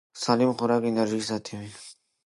سالم خوراک انرژي ساتي.